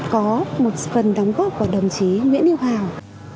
có một phần đóng góp của đồng chí nguyễn yêu hào